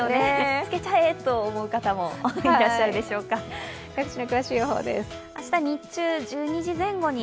つけちゃえという方もいらっしゃるでしょうから。